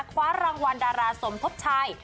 คว้ารางวัลดาราสมทบชาย